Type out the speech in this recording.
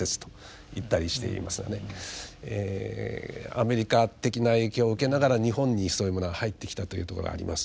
アメリカ的な影響を受けながら日本にそういうものが入ってきたというところがあります。